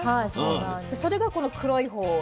じゃそれがこの黒い方。